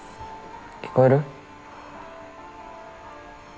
聞こえる？